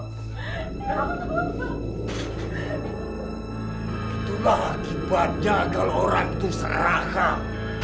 itulah akibatnya kalau orang itu seragam